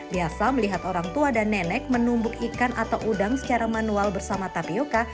biasa melihat orang tua dan nenek menumbuk ikan atau udang secara manual bersama tapioca